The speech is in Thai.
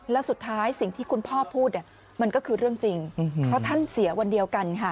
แล้วสุดท้ายสิ่งที่คุณพ่อพูดเนี่ยมันก็คือเรื่องจริงเพราะท่านเสียวันเดียวกันค่ะ